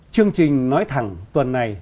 chương trình nói thẳng tuần này